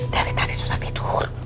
dari tadi susah tidur